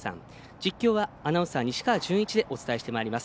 実況はアナウンサー西川順一でお伝えしていきます。